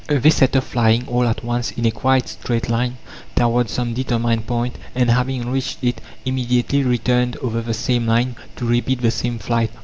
They set off flying, all at once, in a quite straight line, towards some determined point, and, having reached it, immediately returned over the same line, to repeat the same flight.